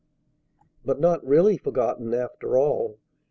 But not really forgotten, after all.